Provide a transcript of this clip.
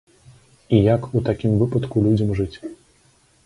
І як у такім выпадку людзям жыць?